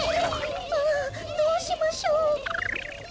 ああどうしましょう。